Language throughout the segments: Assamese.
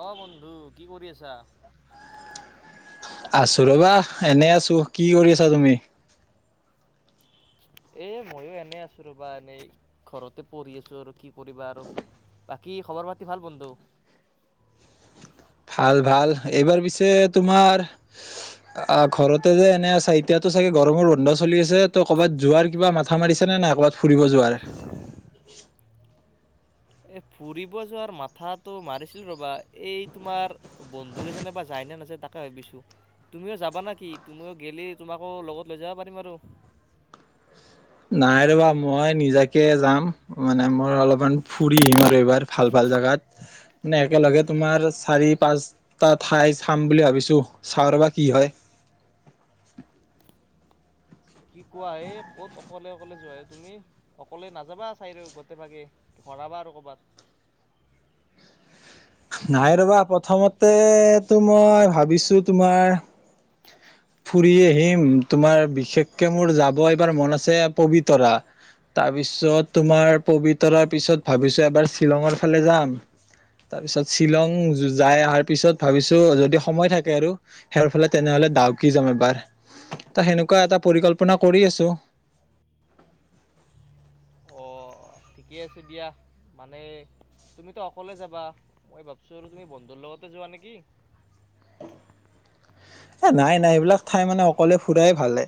অ বন্ধু কি কৰি আছা আছো ৰবা এনে আছো কি কৰি আছা তুমি এ ময়ো এনে আছো ৰবা এনেই ঘৰতে পঢ়ি আছো আৰু কি কৰিবা আৰু বাকী খবৰ পাতি ভাল বন্ধু ভাল ভাল এইবাৰ পিছে তোমাৰ আহ ঘৰতে যে এনে আ চা এতিয়াতো চাগে গৰমৰ ৰন্ধ চলি আছে ত কৰ'ৰবাত যোৱাৰ কিবা মাথা মাৰিছে নে নাই ক'বাত ফুৰিব যোৱাৰ এ ফুৰিব যোৱাৰ মাথাটো মাৰিছিলো ৰবা এই তোমাৰ বন্ধুকেইজনে বা যাইনে নাছে তাকে ভাবিছো তুমিও যাবা নে কিি তুমিও গেলি তোমাকো লগত লৈ যাব পাৰিম আৰু নাই ৰ'বা মই নিজাকে যাম মানে মই অলপমান ফুৰি আহিম আৰু এইবাৰ ভাল ভাল জোগাত মানে একেলগে তোমাৰ চাৰি পাঁচটা ঠাই চাম বুলি ভাবিছো চাওঁ ৰবা কি হয় কি কোৱা হে ক'ত অকলে অকলে যোৱা হ তুমি অকলে নাযাবা চাই ৰ গোট ভাগে ঘৰাবা আৰু কৰ'বাত নাই ৰবা প্ৰথমতেতো মই ভাবিছো তোমাৰ ফুৰি আহিম তোমাৰ বিশেষকে মোৰ যাব এবাৰ মন আছে পবিতৰা তাৰপিছত তোমাৰ পবিতৰাৰ পিছত ভাবিছো এবাৰ শ্বিলঙৰ ফালে যাম তাৰ পিছত শ্বিলং যাই অহাৰ পিছত ভাবিছো যদি সময় থাকে আৰু সেইৰ ফালে তেনেহলে ডাউক যাম এবাৰ ত সেনেকুৱা এটা পৰিকল্পনা কৰি আছো অ ঠিকে আছে দিয়া মানে তুমিতো অকলে যাবা মই ভাবছো আৰু তুমি বন্ধুৰ লগতে যোৱা নেকি এ নাই নাই এইবিলাক ঠাই মানে অকলে ফুৰাই ভালে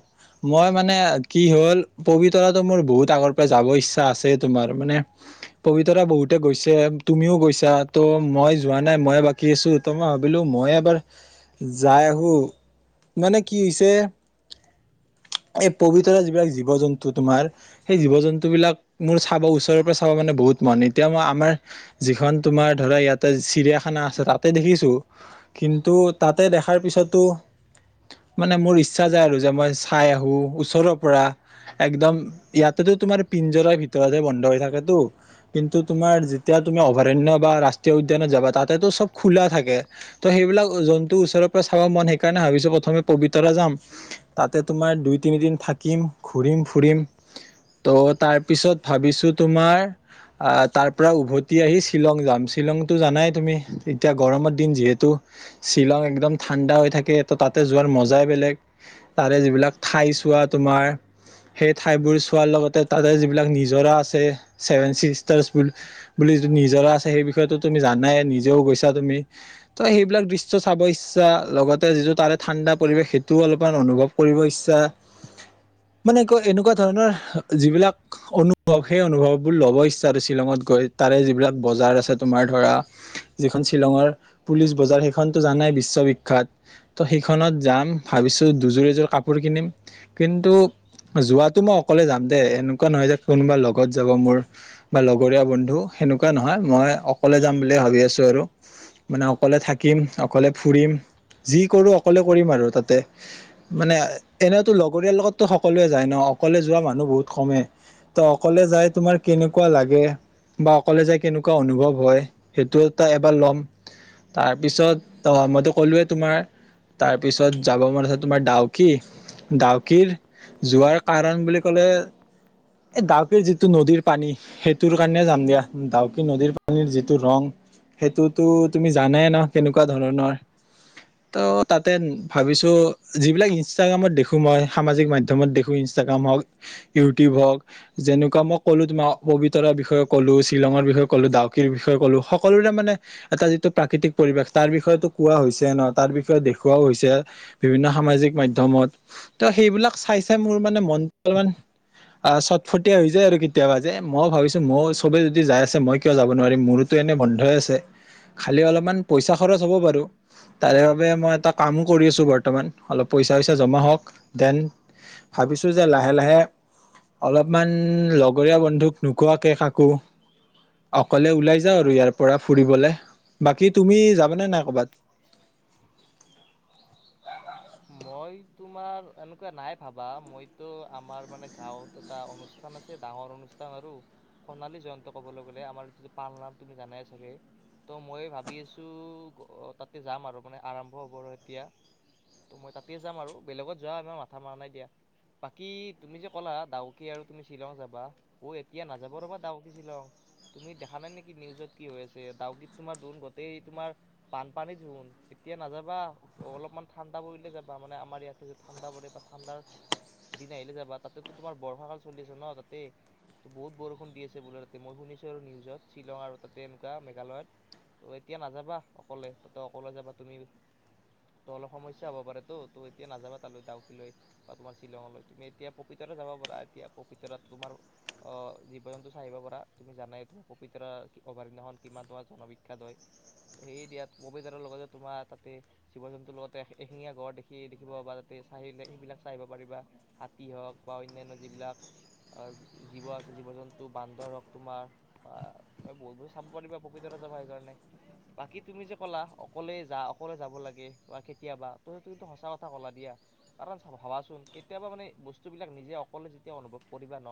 মই মানে কি হল পবিতৰাটো মোৰ বহুত আগৰ পৰা যাব ইচ্ছা আছে তোমাৰ মানে পবিতৰা বহুতে গৈছে তুমিও গৈছা ত' মই যোৱা নাই মই বাকী আছো ত মই ভাবিলো মই এবাৰ যাই আহো মানে কি হৈছে এই পবিত্ৰ যিবিলাক জীৱ জন্তু তোমাৰ সেই জীৱ জন্তু বিিলাক মোৰ চাব ওচৰৰ পৰা চাব মানে বহুত মন এতিয়া মই আমাৰ যিখন তোমাৰ ধৰা ইয়াতে চিৰিয়াখানা আছে তাতে দেখিছো কিন্তু তাতে দেখাৰ পিছতো মানে মোৰ ইচ্ছা যায় আৰু যে মই চাই আহো ওচৰৰ পৰা একদম ইয়াতেতো তোমাৰ পিঞ্জৰাৰ ভিতৰতে বন্ধ হৈ থাকেতটো কিন্তু তোমাৰ যেতিয়া তুমি অভয়াৰণ্য় বা ৰাষ্ট্ৰীয় উদ্যানত যাবা তাতে চব খোলা থাকে ত সেইবিলাক জন্তু ওচৰৰ পৰা চাব মন শ সেইকাৰণে ভাবিছো প্ৰথমে পবিতৰা যাম তাতে তোমাৰ দুই তিনিদিন থাকিম ঘুৰিম ফুৰিম ত' তাৰ পিছত ভাবিছো তোমাৰ আহ তাৰ পৰা উভতি আহি শ্বিলং যাম শ্বিলংতো জানাই তুমি এতিয়া গৰমৰ দিন যিহেতু শ্বিলং একদম ঠাণ্ডা হৈ থাকে। ত তাতে যোৱাৰ মজাই বেলেগ তাৰে যিবিলাক ঠাই চোৱা তোমাৰ সেই ঠাইবোৰ চোৱাৰ লগতে তাৰে যিবিলাক নিজৰা আছে চছেভেন চিষ্টাৰছ বুলি বুলি য নিজৰা আছে সেই বিষয়ে তুমি জানাই নিজেও গৈছা তুমি ত' সেইবিলাক দৃশ্য চাব ইচ্ছা লগতে তা যিটো তাৰে ঠাণ্ডা পৰিৱেশ সেইটো অলপমান অনুভৱ কৰিব ইচ্ছা মানে ক এনেকুৱা ধৰণৰ যিবিলাক অনুভৱ সেই অনুভৱবোৰ লব ইচ্ছা আৰু শ্বিলঙত গৈ তাৰে যিবিলাক বজাৰ আছে তোমাৰ ধৰা যিখন শ্বিলঙৰ পুলিচ বজাৰ সেইখনতো জানাই বিশ্ববিখ্য্ত। ত' সেইখনত যাম ভাবিছো দুযোৰ এযোৰ কাপোৰ কিনিম কিন্তু যোৱাতো মই অকলে যাম দেই এনেকুৱা নহয় যে কোনোবা লগত যাব মোৰ বা লগৰীয়া বন্ধু সেনেকুৱা নহয় মই অকলে যাম বুলিয়ে ভাবি আছো আৰু মানে অকলে থাকিম অকলে ফুৰিম, যি কৰো অকলে কৰিম আৰু তাতে মানে এনেতো লগৰীয় লগতো সকলোৱে যায় ন অকলে যোৱা মানুহ বহুত কমে ত অকলে যাই তোমাৰ কেনেকুৱা লাগে বা অকলে যাই কেনেকুৱা অনুভৱ হয় সেইটো এটা এবাৰ ল'ম তাৰপিছত মইতো কলোৱে তোমাৰ তাৰপিছত যাব মন আছে তোমাৰ ডাউক ডাউকিৰ যোৱাৰ কাৰণ বুলি ক'লে এই ডাউকিৰ যিটো নদীৰ পানী সেইটোৰ কাৰণে যাম দিয়া ধাউকি নদীৰ পানীৰ যিটো ৰং সেইটোতো তুমি জানাই ন কেনেকুৱা ধৰণৰ ত' তাতে ভাবিছো যিবিলাক ইনষ্টাগ্ৰামত দেখো মই সামাজিক মাইধম মমত দেখো ইনষ্টাগ্ৰাম হওঁক ইউটিউব হওঁক যেনেকা মই কলো তোমাৰ পবিত্ৰাৰ বিষয়ে ক'লো শ্বিলঙৰ বিয় য় কলো ডাউকিৰ বিষয়ে ক'লো সকলোৰে মানে এটা যিটো প্ৰাকৃতিক পৰিৱেশ তাৰ বিষয়েটো কোৱা হৈছে। ন তাৰ বিষয়ে দেখুুৱাও হৈছে বিভিন্ন সামাজিক মাধ্য়মত ত সেইবিলাক চাই চাই মোৰ মানে মনটো অলপমান চটফটীয়া হৈ যায় আৰু কেতিয়াবা যে মই ভাবিছো মই চবে যদি যাই আছে মই কিয় যাব নোৱাৰিম মোৰোতো এনে বন্ধই আছে খালি অলপমান পইচা খৰচ হ'ব বাৰো। তাৰে বাবোবে মই এটা কামো কৰি আছো বৰ্তমান অলপ পইচা চইচা জমা হওঁক দেন ভাবিছো যে লাহে লাহে অলপমান লগৰীয়া বন্ধুক নোখোৱাকে কাকো অকলে ওলাই যাওঁ আৰু ইয়াৰ পৰা ফুৰিবলে বাকী তুমি যাবানে নাই কৰ'ৰবাত? মই তোমাৰ এনেকুৱা নাই ভাবা মইতো আমাৰ মানে গাঁৱত এটা অনুষ্ঠান আছে ডাঙৰ অনুষ্ঠান আৰু সোণালী জয়ন্ত কবলৈ গলে আমাৰ যিটো পাল নাম তুমি জানাই চাগে ত' মই ভাবি আছো তাতে যাম আৰু মানে আৰম্ভ হব আৰু এতিয়া। ত মই তাতে যাম আৰু বেলেগত যোৱা আমাৰ মাথা মৰা নাই দিয়া বাকী তুমি যে ক'লা ডাউকি আৰু তুমি শ্বিলং যাবা অ এতিয়া নাযাবা ৰবা ডাউকি শ্বিলং তুমি দেখা নাই নেকি নিউজত কি হৈ আছে ডাউকিত তোমাৰ ধোন গোতেই তোমাৰ বানপানী ধোন এতিয়া নাযাবা অলপমান ঠাণ্ডা পৰিলে যাবা মানে আমাৰ ইয়াতে ঠাণ্ডা পৰে বা ঠাণ্ডাৰ দিন আহিলে যাবা তাতেতো তোমাৰ বৰ্ষাকাল চলি আছে ন তাতেই ত বহুত বৰষুণ দি আছে বোলে তাতে মই শুনিছো আৰু নিউজত শ্বিলং আৰু তাতে এনেকুৱা মেঘালয়ত ত' এতিয়া নাযাবা অকলে তাতে অকলে যাবা তুমি ত অলপ সমস্যা হব পাৰে ত' ত এতিয়া নাযাব তালৈ ডাউকিল লৈ বা তোমাৰ শ্বিলঙলৈ তুমি এতিয়া পপিতৰা যাব পাৰা এতিয়া পপিতৰাত তোমাৰ অ জীৱ জন্তু চাহিব পাৰা তুমি জানাই তোমাৰ পপিতৰা অভাৰখন কিমান তোমাৰ জনবিখ্যাত হয় ত সেই দিয়াত পপিতাৰৰ লগতে তোমাৰ তাতে জীৱ জন্তু ত লগতে এশিঙীয়া ঘৰ দেখি দেখিব পাবা তাতে চাই সেইবিলাক চাইিব পাৰিবা হাতী হওক বা অন্যান্য যিবিলাক জীৱ আছে জীৱ জন্তু বান্দৰ হওক তোমাৰ বা তুম বহুত বহুত চাব পাৰিবা পকৃতত যাবা সেইকাৰণে বাকী তুমি যে ক'লা অকলেই যা অকলে যাব লাগে বা কেতিয়াবা তই কিন্তু সঁচা কথা ক'লা দিয়া কাৰণ ভাবাচোন কেতিয়াবা মানে বস্তুবিলাক নিজে অকলে যেতিয়া অনুভৱ কৰিবা ন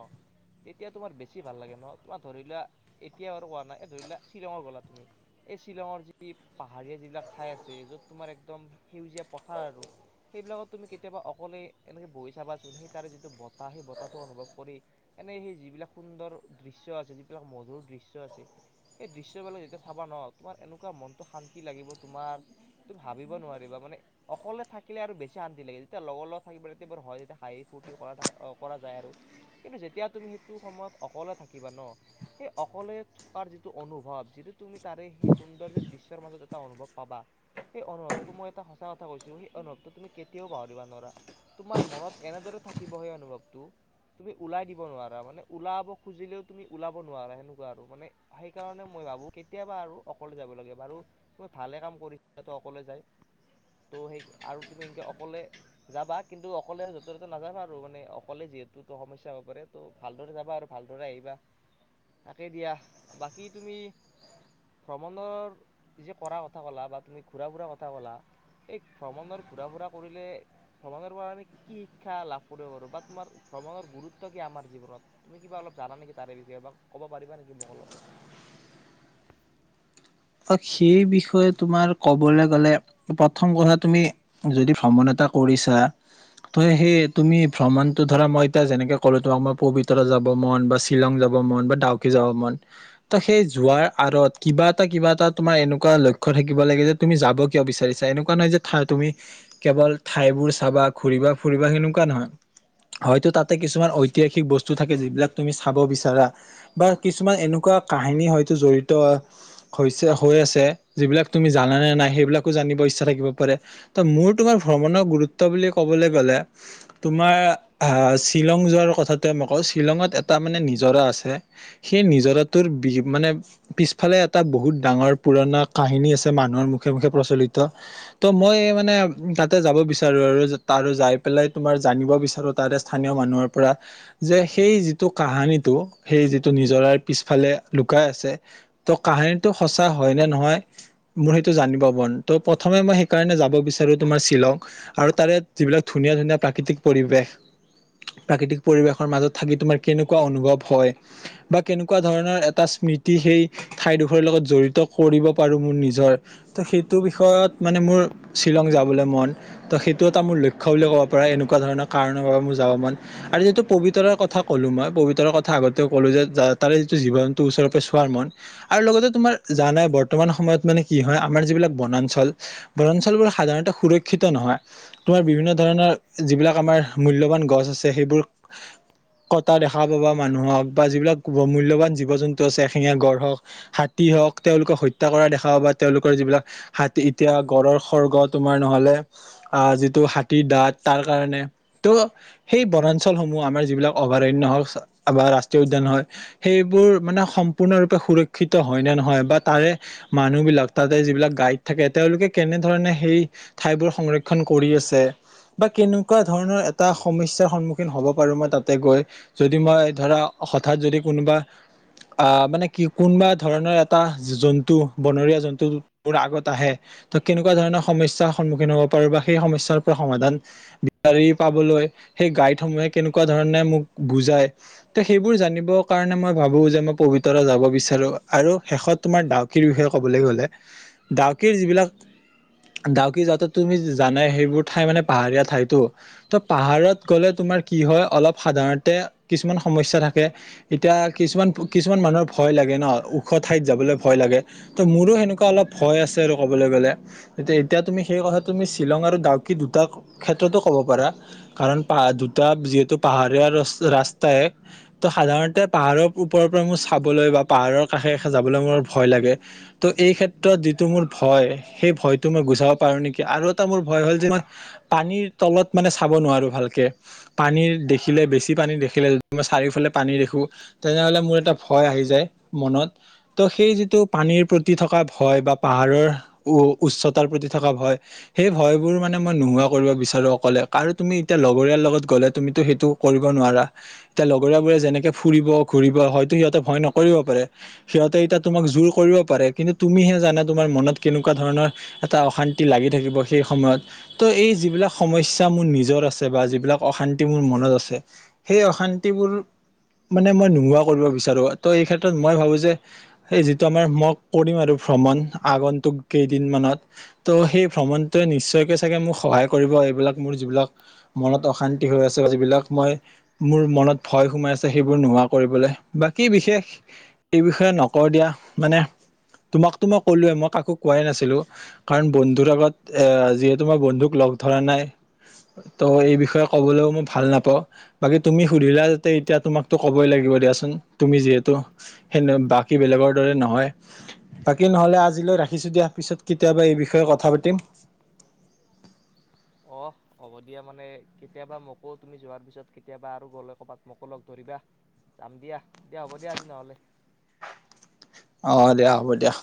তেতিয়া তোমাৰ বেছি ভাল লাগে ন তোমাৰ ধৰিলোৱা এতিয়াও আৰু কোৱা নাই এই ধৰিলোৱা শ্বিলঙৰ গ'লা তুমি এই শ্বিলঙৰ যি পাহাৰীয়া যিবিলাক ঠাইছে যত তোমাৰ এক একদম সেউজীয়া পথাৰ আৰু সেইবিলাকত তুমি কেতিয়াবা অকলে এনেকে বহি চাবাচোন সেই তাৰে যিটো বতাহ সেই বতাহটো অনুভৱ কৰি এনে সেই যিবিলাক সুন্দৰ দৃশ্য় আছে যিবিলাক মধুৰ দৃশ্য় আছে সেই দৃশ্য় বিলাক যেতিয়া চাবা ন তোমাৰ এনেকুৱা মনটো শান্তি লাগিব তোমাৰ ভাবিব নোৱাৰিবা মানে অকলে থাকিলে আৰু বেছি শান্তি লাগে যেতিয়া লগৰ লগত থাকিবা তেতিয়া বাৰু হয় যেতিয়া হাঁহি ফুৰ্তি কৰা কৰা যায় আৰু কিন্তু যেতিয়া তুমি সেইটো সময়ত অকলে থাকিবা ন সেই অকলে থকাৰ যিটো অনুভৱ যিটো তুমি তাৰে সেই সৌন্দৰ্য দৃশ্য মাজত এটা অনুভৱ পাবা। সেই অনুভৱটো মই এটা সঁচা কথা কৈছো সেই অনুভৱটো তুমি কেতিয়াও পাহৰিব নোৱাৰা তোমাৰ মনত এনেদৰে থাকিব সেই অনুভৱটো তুমি ওলাই দিব নোৱাৰা মানে ওলাব খুজিলেও তুমি ওলাব নোৱাৰা সেনেকুৱা আৰু মানে সেইকাৰণে মই ভাবো কেতিয়াবা আৰু অকলে যাব লাগে বাৰু তু ভালে কাম কৰিছ অকলে য ত' সেই আৰু তুমি একে অকলে যাবা কিন্তু অকলে য'তে ত'তে নাযাবা আৰু মানে অকলে যিহেতু ত সমস্যা হ'ব পাৰে ত' ভালদৰে যাবা আৰু ভালদৰে আহিবা তাকে দিয়া বাকী তুমি ভ্ৰমণৰ যে কৰা কথা কলা বা তুমি ঘুৰা ফুৰা কথা কলা এই ভ্ৰমণৰ ঘূৰা ফুৰা কৰিলে ভ্ৰমণৰ পৰা আমি কি শিক্ষা লাভ কৰিব পাৰো বা তোমাৰ ভ্ৰমণৰ গুৰুত্ব কি আমাৰ জীৱনত তুমি কিবা অলপ জানা নেকি তাৰে বিষয়ে বা কব পাৰিবা নেকি মোক অলপ? অ সেই বিষয়ে তোমাৰ কবলৈ গ'লে প্ৰথম কথা তুমি যদি ভ্ৰমণ এটা কৰিছা ত সেই তুমি ভ্ৰমণতটো ধৰা মই এতিয়া যেনেকে কলো তোমাক মই পবিতৰা যাব মন বা শ্বিলং যাব মন বা ডাউকি যাব মন ত সেই যোৱাৰ আঁৰত কিবা কিবা এটা তোমাৰ এনেকুৱা লক্ষ্য় থাকিব লাগে যে তুমি যাব কিয় বিচাৰিছা এনেকুৱা নহয় যে তুমি কেৱল ঠাইবোৰ চাবা ঘুৰিবা ফুৰিবা সেনেকুৱা নহয় হয়তো তাতে কিছুমান ঐতিহাসিক বস্তু থাকে যিবিলাক তুমি চাব বিচাৰা বা কিছুমান এনেকুৱা কাহিনী হয়তো জৰিত হৈছে হৈ আছে যিবিলাক তুমি জানে নে নাই সেইবিলাকো জানিব ইচ্ছা থাকিব পাৰে তো মোৰ তোমাৰ ভ্ৰমণৰ গুৰুত্ব বুলি ক'বলৈ গ'লে তোমাৰ আহ শ্বিলং যোৱাৰ কথাটো মই কওঁ শ্বিলংত এটা মানে নিজৰা আছে। সেই নিজৰাটোৰ বি মানে পিছফালে এটা বহুত ডাঙৰ পুৰণা কাহিনী আছে মানুহৰ মুখে মুখে প্ৰচলিত ত মই মানে তাতে যাব বিচাৰো আৰু যায় পেলাই তোমাৰ জানিব বিচাৰো তাৰে স্থানীয় মানুহৰ পৰা যে, সেই যিটো কাহানিটো সেই যিটো নিজৰাৰ পিছফালে লুকাই আছে ত টো সঁচা হয়, নে নহয় মোৰ সেইটো জানিব মন ত' প্ৰথমে মই সেইকাৰণে যাব বিচাৰো তোমাৰ শ্বিলং আৰু তাৰে যিবিলাক ধুনীয়া, ধুনীয়া প্ৰাকৃতিক পৰিৱেশ প্ৰাকৃতিক পৰিৱেশৰ মাজত থাকি তোমাৰ কেনেকুৱা অনুভৱ হয় বা কেনেকুৱা ধৰণৰ এটা স্মৃতি সেই ঠাইডোখৰীৰ লগত জড়িত কৰিব পাৰোঁ মোৰ নিজৰ তো সেইটো বিষয়ত মানে মোৰ শ্বিলং যাবলৈ মন তো সেইটো এটা মোৰ লক্ষ্য বুলি ক'ব পাৰা এনেকুৱা ধৰণৰ কাৰণৰ বাবে মোৰ যাব মন আৰু যিটো পবিতৰা কথা ক'লোঁ মই পবিতৰা ৰ কথা আগতেও ক'লোঁ যে, তাৰে যিটো জীৱজন্তু ওচৰৰ পৰা চোৱাৰ মন আৰু লগতে তোমাৰ জানাই বৰ্তমান সময়ত মানে কি হয়, আমাৰ যিবিলাক বনাঞ্চল বনাঞ্চলবোৰ সাধাৰণতে সুৰক্ষিত নহয়, তোমাৰ বিভিন্ন ধৰণৰ যিবিলাক আমাৰ মূল্যবান গছ আছে সেইবোৰ কটা দেখা পাবা মানুহক বা যিবিলাক মূল্যবান জীৱ জন্তু আছে এশিঙীয়া গড় হওঁক হাতী হওঁক, তেওঁলোকক হত্যা কৰা দেখা পাবা, তেওঁলোকৰ যিবিলাক হাতী এতিয়া গড়ৰ সৰ্গ তোমাৰ ন'হলে আ যিটো হাতীৰ দাঁত তাৰ কাৰণে ত' সেই বনাঞ্চলসমূহ আমাৰ যিবিলাক অভয়াৰণ্য হওঁক বা ৰাষ্ট্ৰীয় উদ্যান হয়, সেইবোৰ মানে সম্পূৰ্ণ ৰূপ সুৰক্ষিত হয় নে নহয় বা তাৰে মানুহ বিলাক তাতে যিবিলাক গাইড থাকে তেওঁলোকে কেনেধৰণে সেই ঠাইবোৰ সংৰক্ষণ কৰি আছে বা কেনেকুৱা ধৰণৰ এটা সমস্যাৰ সন্মুখীন হ'ব পাৰো মই তাতে গৈ যদি মই ধৰা হঠাৎ যদি কোনোবা আ মানে কি কোনোবা ধৰণৰ এটা জন্তু বনৰীয়া জন্তু মোৰ আগত আহে ত কেনেকুৱা ধৰণৰ সমস্যাৰ সন্মুখীন হ'ব পাৰো বা সেই সমস্যাৰ পৰা সমাধান বিচাৰি পাবলৈ সেই গাইডসমূহে কেনেকুৱা ধৰণে মোক বুজাই ত সেইবোৰ জানিবৰ কাৰণে মই ভাবো যে, মই পবিতৰা যাব বিচাৰো আৰু শেষত তোমাৰ ডাউকিৰ বিষয়ে ক'বলৈ গ'লে ডাউকিৰ যিবিলাক ডাউকি যাওঁতে তুমি জানেই সেইবোৰ ঠাই মানে পাহাৰীয়া ঠাইতটো ত পাহাৰত গ'লে তোমাৰ কি হয়, অলপ সাধাৰণতে কিছুমান সমস্যা থাকে এতিয়া কিছুমান কিছুমান মানুহৰ ভয় লাগে ন ওখ ঠাইত যাবলৈ ভয় লাগে ত' মোৰো সেনেকুৱা অলপ ভয় আছে আৰু ক'বলৈ গ'লে এতিয়া তুমি সেই কথা তুমি শ্বিলং আৰু ডাউকি দুটা ক্ষেত্ৰতো ক'ব পাৰা কাৰণ পা দুটা যিহেতু পাহাৰীয়া ৰাস্তাই ত' সাধাৰণতে পাহাৰৰ ওপৰৰ পৰা মোৰ বলৈ বা পাহাৰৰ কাষে যাবলৈ মোৰ ভয় লাগে ত' এই ক্ষেত্ৰত যিটো মোৰ ভয় সেই ভয়টো মই গুচাব পাৰো নেকি আৰু এটা মোৰ ভয় হ'ল যে, মই পানীৰ তলত মানে চাব নোৱাৰো ভালকে পানী দেখিলে বেছি পানী দেখিলে য মই চাৰিওফালে পানী দেখো তেনেহ'লে মোৰ এটা আহি যায় মনত ত সেই যিটো পানীৰ প্ৰতি থকা ভয় বা পাহাৰৰ উ উচ্চতাৰ প্ৰতি থকা ভয় সেই ভয় বোৰ মানে মই নোহোৱা কৰিব বিচাৰো অকলে আৰু তুমি এতিয়া লগৰীয়াৰ লগত গ'লে তুমিতটো সেইটো কৰিব নোৱাৰা এতিয়া লগৰীয়া বোৰে যেনেকে ফুৰিব ঘুৰিব হয় হ ভয় নকৰিব পাৰে সিহঁতে তোমাক জোৰ কৰিব পাৰে কিন্তু তুমিহে জানা তোমাৰ মনত কেনেকুৱা ধৰণৰ এটা অশান্তি লাগি থাকিব সেই সময়ত ত এই যিবিলাক সমস্যা মোৰ নিজৰ আছে বা অশান্তি মোৰ মনত আছে, সেই অশান্তিবোৰ মানে মই নোহোৱা বিচাৰো ত' এই ক্ষেত্ৰত মই ভাবো যে, এই যিটো আমাৰ মই কৰিম আৰু ভ্ৰমণ আগন্তুক কেইদিন মানত ত' সেই ভ্ৰমণটোৱে নিশ্চয়কে চাগে মোক সহায় কৰিব এইবিলাক মোৰ যিবিলাক মনত অশান্তি হৈ আছে বা যিবিলাক মই মোৰ মনত ভয় সোমাই আছে সেইবোৰ নোহোৱা কৰিবলৈ বাকী বিশেষ এই বিষয়ে নকওঁ দিয়া মানে তোমাকতো মই কলোৱে মই কাকো কোৱাই নাছিলো কাৰণ বন্ধুৰ আগত এ যিহেতু মই বন্ধুক লগ ধৰা নাই ত' এই বিষয়ে কবলৈও মই ভাল নাপাওঁ বাকী তুমি সুধিলা যাতে এতিয়া তোমাকতো ক'বই লাগিব দিয়াচোন। তুমি যিহেতু সে বাকী বেলেগৰ দৰে নহয় বাকী ন'হলে আজিলৈ ৰাখিছো দিয়া পিছত কেতিয়াবা এই বিষয়ে কথা পাতিম। অ', হ'ব দিয়া মানে কেতিয়াবা মোকো তুমি যোৱাৰ পিছত কেতিয়াবা আৰু গ'লে কৰ'বাত মোকো লগ ধৰিবা। যাম দিয়া দিয়া হ'ব দিয়া আজি ন'হলে। অ', দিয়া হ'ব দিয়া।